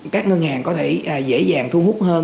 các ngân hàng có thể dễ dàng thu hút hơn